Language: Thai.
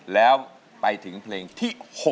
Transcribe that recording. แล้วไปถึงเพลงที่๖